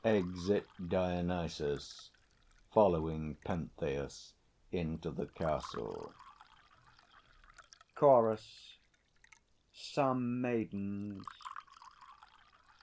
[Exit DIONYSUS, following PENTHEUS into the Castle. CHORUS. _Some Maidens.